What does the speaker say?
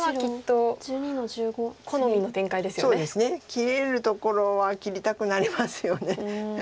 切れるところは切りたくなりますよね。